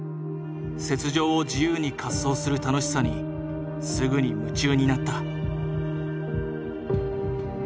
雪上を自由に滑走する楽しさにすぐに夢中になった。